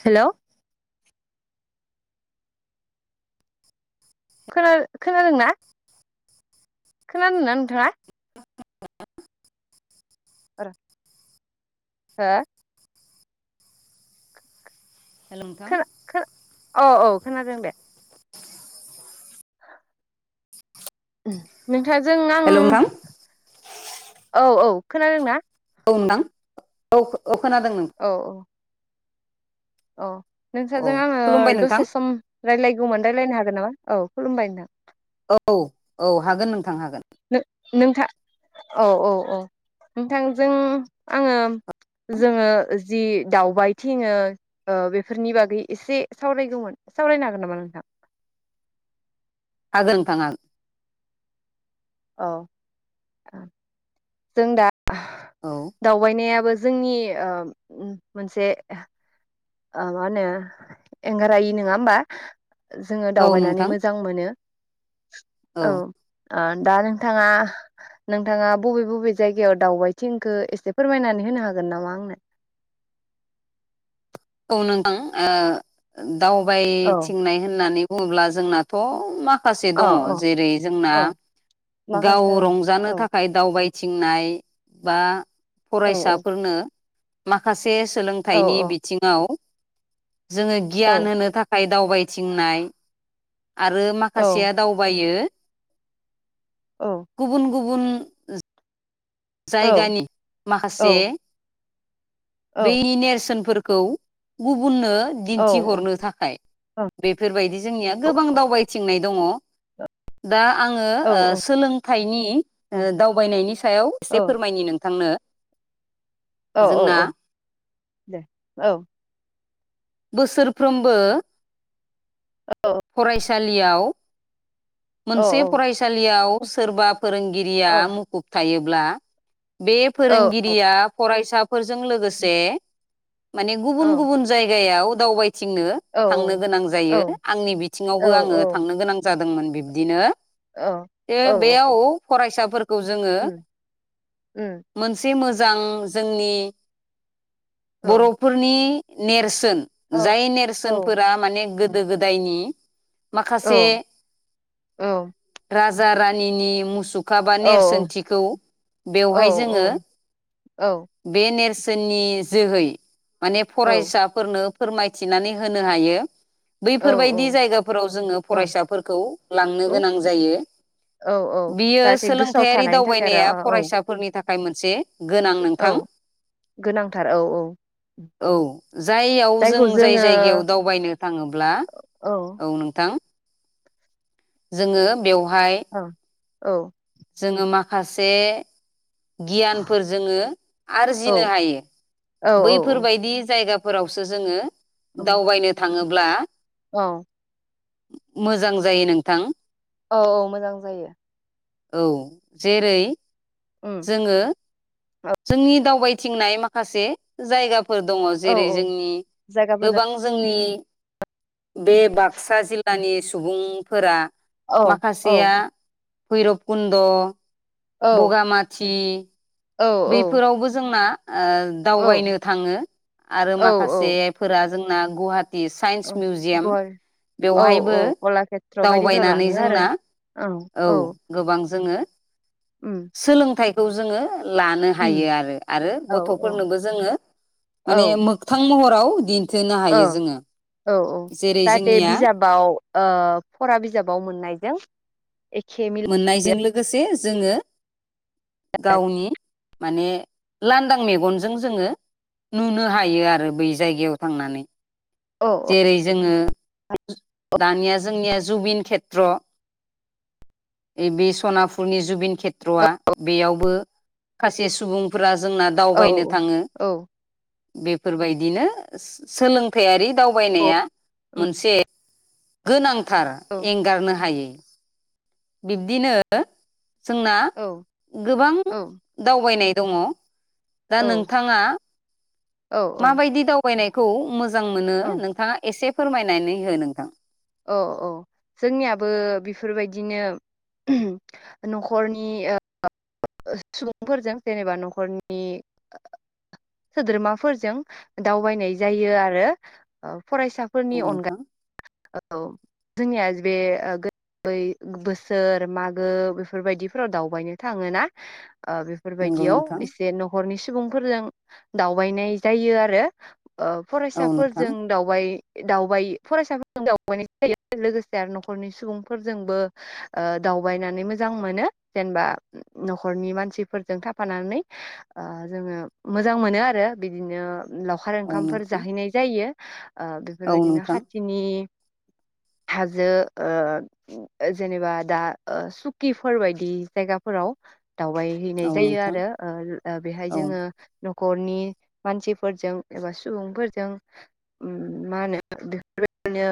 हेल' खोना खोनादोंना? खोनादोंना नोंथाङा? आ आरो हा? हेल' नोंथां खोना खोनाऔ औ खोनादों दे नोंथांजों आं हेल' नोंथां औ औ खोनादोंना? औ नोंथां औ औ खोनादों नों? अ औ नोंसोरजों आङो खुलुमबाय नोंथां दसे सम रायजलायगौमोन रायज्लायनो हागोन नामा? औ खुलुमबाय नोंथां औ औ हागोन नोंथां हागोन। नो-नोंथां औ औ औ नोंथांजों आङो जोङो जि दावबायथिङो बेफोरनि बागै एसे सावरायगौमोन। सावरायनो हागोन नामा नोंथां? हागोन नोंथां आं। औ जों दा औ दावबायनायाबो जोंनि ओ उम मोनसे ओ मा होनो एंगारहायि नङा होमबा जोङो औ दावबायनानै नोंथां मोजां मोनो औ आ दा नोंथाङा नोंथाङा बबे बबे जायगायाव दावबायथिंखो एसे फोरमायनानै होनो हागोन? [unintelligible] हागोन नामा आंनो औ नोंथां औ दावबायथिंनाय होननानै बुङोब्ला जोंनाथ' माखासे औ दङ औ जेरै जोंना औ गाव माखासे रंजानो ओं औ थाखाय दावबाय थिंनाय बा औ फरायसाफोरनो माखासे औ सोलोंथाइनि बिथिङाव जोङो औ गियान होनो थाखाय दावबायथिंनाय आरो माखासेया दावबायो औ। गुबुन गुबुन औ जायगानि माखासे औ बै नेरसोनफोर खौ गुबुननो औ दिन्थिहरनो थाखाय बेफोरबायदि जोंनिया गोबां दावबायथिंनाय दङ दा आङो ओ सोलोंथाइनि ओ दावबायनायनि सायाव एसे फोरमायनि नोंथांनो। औ औ जोंना औ दे औ। बोसोरफ्रोमबो फरायसालियाव मोनसे औ फरायसालियाव सोरबा फोरोंगिरिया मुखुब थायोब्ला बे औ फोरोंगिरिया फरायसाफोरजों औ लोगोसे माने गुबुन औ गुबुन जायगायाव दावबाय थिंनो औ थांनो गोनां औ जायो। आंनि औ बिथिङावबो आङो थांनो गोनां जादोंमोन बिब्दिनो औ ए औ बेयाव फरायसाफोरखौ जोङो उम उम मोनसे मो जां जोंनि औ बर'फोरनि नेरसोन औ जाय औ नेरसोनफोरा माने गोदो गोदायनि औ माखासे औ राजा रानिनि मुसु खा बा औ नेरसोनथिखौ बेवहाय जोङो बे नेर जोहै माने फरायसाफोरनो फोरमायथिनानै होनो हायो। बैफोरबायदि जायगाफोराव जोङो औ फरायसाफोरखौ लांनो गोनां जायो। औ औ बियो जाहाथे गोसोआव सोलोंथायारि थानायनि थाखाय दावबायनाया आरो औ फरायसाफोरनि थाखाय मोनसे गोनां औ नोंथां गोनांथार औ औ। औ। जाययाव जायखौ जों जाय जोङो जायगायाव दावबायनो थाङोब्ला औ नोंथां जोङो बेवहाय औ औ जोङो मा खासे गियानफोर जोङो औ आरजिनो हायो औ औ बैफोरबायदि जायगा फोरावसो जोङो उम दावबायनो थाङोब्ला औ मोजां जायो नोंथां। औ औ मोजां जायो। औ जेरै उम जोङो जोंनि दावबाय थिंनाय माखासे जायगाफोर दङ औ जेरै औ जोंनि जायगाफोरजों गोबां जोंनि बे बाक्सा औ जिल्लानि सुबुंफोरा औ औ माखासेया भैरबखन्द, औ बगामाथि थि औ बैफोरावबो जोंना ओ औ दावबायनो थाङो आरो औ माखासेफोरा जोंना गुवाहा टि साइन्स औ मिउजियाम गय औ बेवहायबो औ कलाषेत्र बायदिफोराव दावबायनानै लाङो आरो जोंना औ गोबां जोङो उम सोलोंथाइखौ जोङो लानो उम हायो आरो आरो औ औ गथ'फोरनोबो जोङो औ माने ओ मोगथां महराव होनो हायो जोङो। औ औ जेरै जाहाथे जोंनिया बिजाबाव ओ फरा बिजाबाव मोननायजों एखे मिल मोननायजों लोगोसे जोङो गावनि माने लानदां मेगनजों जोङो नुनो हायो आरो बै जायगायाव थांनानै। औ जेरै जोङो दानिया जोंनिया जुबिन खेत्र। बे सनापुरनि जुबिन औ खेत्रआ बेयावबो माखासे सुबुंफोरा जोंना औ दावबायनो थाङो औ बेफोरबायदिनो सोलोंथारि दावबायनाया उम मोनसे गोनांथार औ एंगारनो हायै। बिब्दिनो जोंना औ गोबां औ दावबायनाय दङ। दा औ नोंथाङा औ माबायदि दावबायनायखौ मोजां मोनो नोंथाङा एसे फोरमायनानै हो नोंथां? औ औ जोंनियाबो बेफोरबायदिनो न'खरनि ओ सुबुंफोरजों जेनेबा न'खरनि सोद्रोमाफोरजों दावबायनाय जायो आरो ओ। फरायसाफोरनि औ नोंथां अनगायै औ जोंनिया बे बै बोसोर मागो बेफोरबायदिफोराव दावबायनो थाङोना ओ नंगौ बेफोरबायदियाव नोंथां एसे न'खरनि सुबुंफोरजों दावबायनाय जायो आरो। ओ औ नोंथां फरायसाफोरजों दावबाय दावबाय फरायसाफोर जों दावबायनाय जायो लोगोसे आरो न'खरनि सुबुंफोरजोंबो ओ दावबायनानै मोजां मोनो। जेनेबा न'खरनि मानसिफोरजों थाफानानै ओ जोङो मोजां मोनो। आरो बिदिनो लावखार औ ओंखामफोर नोंथां जाहैनाय जायो। ओ औ बेफोरबायदिनो नोंथां खाथिनि हाजो ओ जेनेबा दा ओ सुकिफोर बायदि जायगाफोराव दावबाय हैैनाय औ जायो नोंथां आरो ओ ओ बेहाय औ जोङो नखरनि मानसिफोरजों एबा सुबुंफोरजों मा होनो बेफोरबायदि नो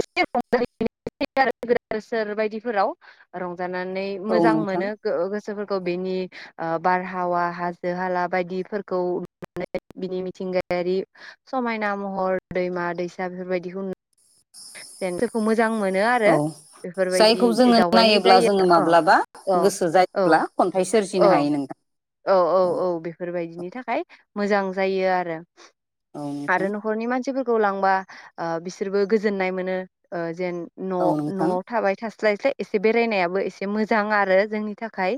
एसे रंजायो [inaudible] बोसोर बायदिफोराव रं रंजानानै औ नोंथां मोजांमोनो गो गोस। सोर फोरखौ बेनि बारहावा हाजो हाला बायदिफोरखौ नानै बिनि। थिंगायारि समायना महर दैमा दैसा बेफोरबायदिखौ नु। जेन जखौ मोजां मोनो आरो। औ बेफोरबायदि जायखौ जोङो दावबायनाय नायोब्ला जायो जोङो औ माब्लाबा औ गोसो औ जायोब्ला खन्थाइ औ। सोरजिनो हायो नोंथां औ औ औ बेफोरबायदिनि थाखाय मोजां जायो आरो। औ आरो नोंथां नखरनि मानसिफोरख। खौ लांबा बिसोरबो गोजोननाय मोनो जेन न औ नोंथां न'आव थाबाय थ। स्लाय स्लाय एसे बेरायनायाबो एसे मोजां आरो जोंनि थाखाय।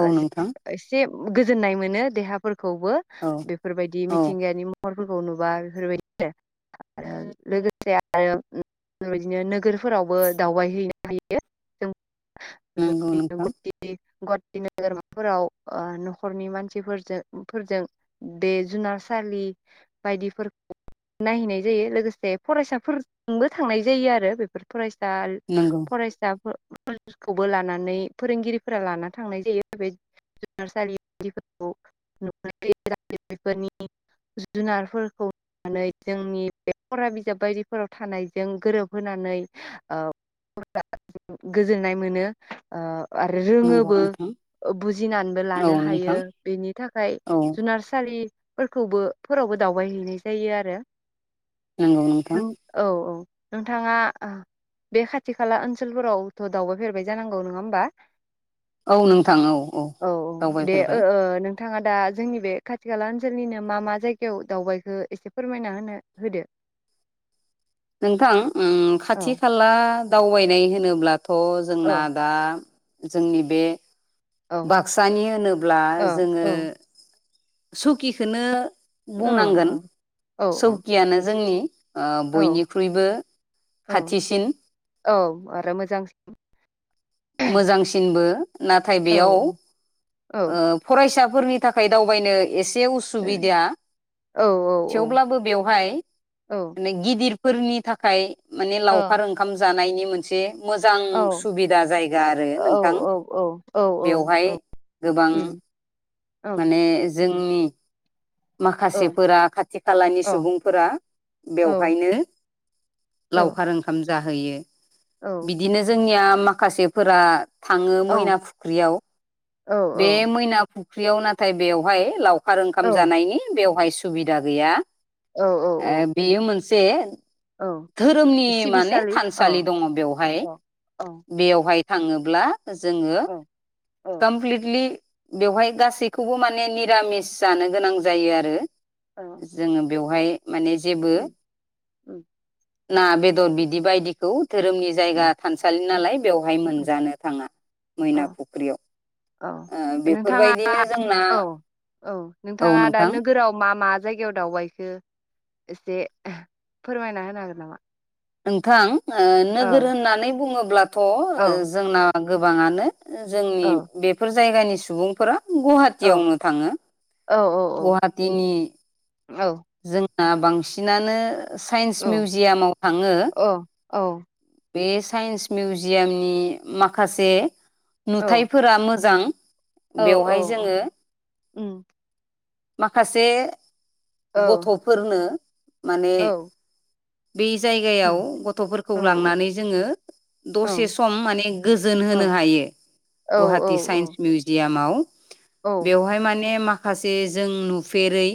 औ नोंथां। एसे गोजोननाय मोनो देहाफोरखौबो औ बेफोरबायदि औ मिथिंगायानि महर। फोरफोरखौ नुबा बेफोरबायदि आरो आरो लोगोसे आरो बेबायदिनो नोगोरफोरावबो दावबाय हैैनो हायो जों। नंगौ बेफोरबायदिनो नोंथां ग गुवाहाटि नोगोरमाफोराव न'खरनि मानसिफोरजों फोरजों बे जुनारसालि बायदि। नायहैनाय जायो लोगोसे फरायसाफोरबो थांनाय जायो आरो बेफोर फरायसा नंगौ फरायसाफोर कलेज खौबो लानानै फोरोंगिरिफोरा लाना थांनाय जायो आरो। जुनारसालिफोरखौ न बेफोरनि जुनारफोरखौनानै जोंनि फरा बिजाब बायदिफोराव थानायजों गोरोबहोनानै गोजोननाय मोनो आरो नंगौ रोङोबो नोंथां बुजिनानैबो औ लानो हायो नोंथां बेनि थाखाय औ जुनारसालि। फोरखौबो फोरावबो दावबायहैनाय जायो आरो। नंगौ नोंथां नों औ औ नोंथाङा ओह। बे खाथि खाला ओनसोलफोरावथ' दावबायफेरबाय जानांगौ नङा होमबा? औ नों औ औ दे ओ ओ नों। नोंथाङा दा जोंनि बे खाथि खाला ओनसोलनिनो मा मा जायगायाव दावबायखौो एसे फोरमायना होनो होदो [inaudible] नोंथां खाथि औ खाला दावबायनाय होनोब्ला थ' जोंना औ दा जोंनि बे औ बाक्सानि होनोब्ला औ जोङो औ सुकिखौ औ बुंनांगोन औ औ सौकियानो जोंनि औ बयनिख्रुइबो औ खाथिसिन औ आरो मोजांसि। मोजांसिनबो। नाथाय औ बेयाव औ औ फरायसाफोरनि थाखाय दावबायनो एसे। ओ उसुबिदा औ थेवब्लाबो बेवहाय औ मे गिदिर फोरनि थाखाय माने औ लावखार ओंखाम जानायनि मोनसे मोजां औ सुबिदा जायगा आरो नोंथां औ औ औ बेवहाय। गोबां उम ओं माने जोंनि औ माखासेफोरा खाथि खालानि औ सुबुंफोरा औ बेवहायनो। औ लावखार ओंखाम जाहैयो औ बिदिनो जोंनिया माखासेफोरा थाङो मैना फुख्रियाव बे औ मैना फुख फुख्रियाव नाथाय बेवहाय लावखार ओंखाम औ जानायनि बेवहाय सुबिदा गैया। औ औ बेयो मोनसे औ धोरोमनि माने सिबिसालि औ थानसालि दङ बेवहाय औ औ बेवहाय थाङोब्ला जोङो औ औ कमप्लिटलि बेवहाय गासैखौबो माने निरामिस जानो गोनां जायो आरो औ जोङो बेवहाय हाय माने जेबो उम उम ना बेदर बिदि बायदिखौ धोरोमनि जायगा थानसालि नालाय बेवहाय मोनजानो थाङा औ मैना फुख्रियाव औ ओ नोंथाङा बेफोरबायदिनो जोंना औ औ नोंथाङा दा नोगोराव मा मा जायगायाव दावबायखो एसे फोरमायना होनो हागोन नामा नोंथां औ नोगोर होननानै बुङोब्लाथ' औ जोंना गोबाङानो जोंनि औ बेफोर जायगानि सुबुंफोरा गुवाहाटीयावनो थाङो औ औ गुवाहाटिनि औ जोंना बांसिनानो साइन्स औ मिउजियामाव थाङो औ औ बे साइन्स मिउजियामनि माखासे औ नुथाइफोरा मोजां औ औ बेवहाय औ जोङो उम माखासे औ गथ'फोरनो माने औ बे औ जायगायाव गथ'फोरखौ औ लांनानै जोङो औ दसे सम माने गोजोन औ होनो हायो गुवाहाटि औ साइन्स मिउजियामाव औ बेवहाय माने माखासे जों नुफेरै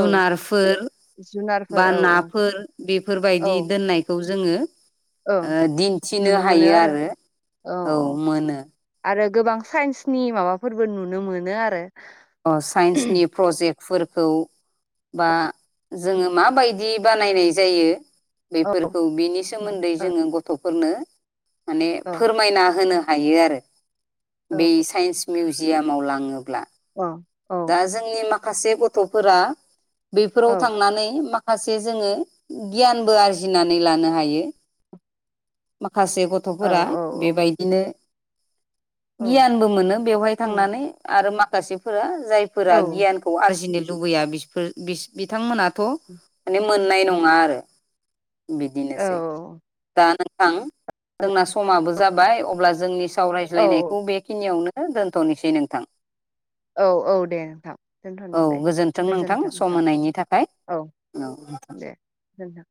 औ जुनारफोर बा औ औ नाफोर बेफोरबायदि औ दोननायखौ जों जोङो औ ओ दिन्थिनो नुनो मोनो हायो आरो औ मोनो आरो गोबां साइन्सनि माबाफोरबो नुनो मोनो आरो अ साइन्सनि प्रजेक्ट फोरखौ बा जोङो माबायदि बानायनाय जायो औ बेैफोरखौ बिनि सोमोन्दै जोङो गथ'फोरनो माने औ फोरमायना होनो हायो आरो औ बे साइन्स मिउजियामाव लाङोब्ला औ औ दा जोंनि माखासे गथ'फोरा बेफोराव थांनानै माखासे जोङो गियानबो आरजिनानै लानो हायो [inaudible] माखासे गथ'फोरा औ औ औ बेबायदिनो गियानबो मोनो बेवहाय उम थांनानै आरो माखासेफोरा जायफोरा औ गियानखौ आरजिनो लुबैया बिसोर बिस बिथांमोनाथ' माने मोननाय नङा आरो बिदिनोसै दा नोंथां जोंना समाबो जाबाय अब्ला जोंनि औ सावरायज्लायनायखौ बेखिनियावनो दोनथ'नोसै नोंथां औ औ दे नोंथां औ दोनथ'नोसै गोजोन्थों नोंथां सम होनायनि थाखाय औ नोंथां